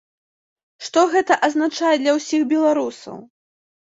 Што гэта азначае для ўсіх беларусаў?